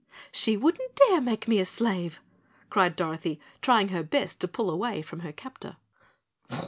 "She wouldn't dare make me a slave," cried Dorothy, trying her best to pull away from her captor.